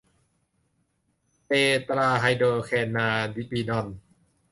เตตราไฮโดรแคนนาบินอล